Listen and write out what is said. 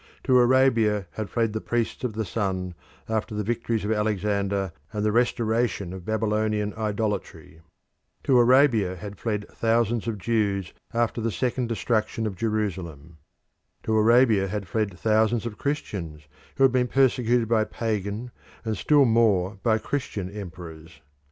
To Arabia had fled the Priests of the Sun after the victories of Alexander and the restoration of Babylonian idolatry. To Arabia had fled thousands of Jews after the second destruction of Jerusalem. To Arabia had fled thousands of Christians who had been persecuted by pagan and still more by Christian emperors.